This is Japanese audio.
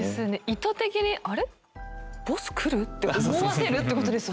意図的に「あれ？ボス来る？」って思わせるってことですもんね。